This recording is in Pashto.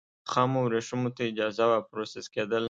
خامو ورېښمو ته اجازه وه پروسس کېدل.